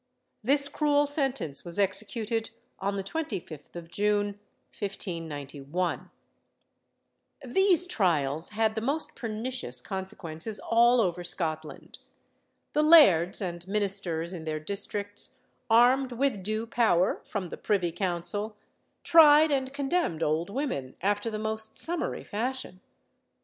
This cruel sentence was executed on the 25th of June, 1591. These trials had the most pernicious consequences all over Scotland. The lairds and ministers in their districts, armed with due power from the privy council, tried and condemned old women after the most summary fashion.